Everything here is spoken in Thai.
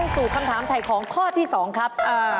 สู่คำถามถ่ายของข้อที่๒ครับ